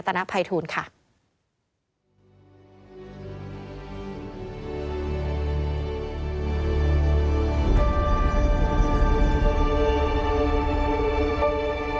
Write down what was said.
พาคุณผู้ชมไปติดตามบรรยากาศกันที่วัดอรุณราชวรรมมหาวิหารค่ะ